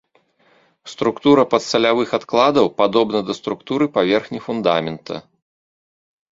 Структура падсалявых адкладаў падобна да структуры паверхні фундамента.